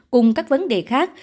cùng các vấn đề khác